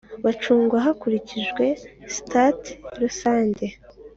bagacungwa hakurikijwe sitati rusange